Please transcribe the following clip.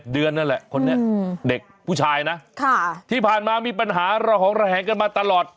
เดือนนั่นแหละคนนี้เด็กผู้ชายนะที่ผ่านมามีปัญหาระหองระแหงกันมาตลอด